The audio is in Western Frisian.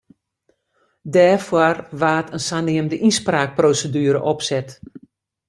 Dêrfoar waard in saneamde ynspraakproseduere opset.